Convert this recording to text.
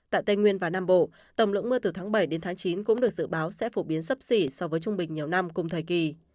tại tây nguyên và nam bộ tổng lượng mưa từ tháng bảy đến tháng chín cũng được dự báo sẽ phổ biến sấp xỉ so với trung bình nhiều năm cùng thời kỳ